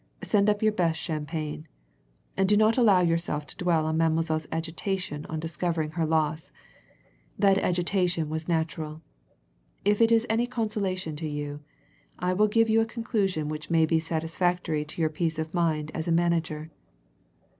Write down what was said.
Send up your best champagne. And do not allow yourself to dwell on Mademoiselle's agitation on discovering her loss. That agitation was natural. If it is any consolation to you, I will give you a conclusion which may be satisfactory to your peace of mind as manager.